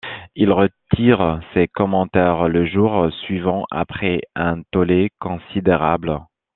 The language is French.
Il retire ses commentaires le jour suivant après un tollé considérable.